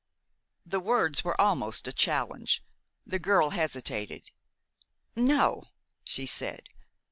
The words were almost a challenge. The girl hesitated. "No," she said.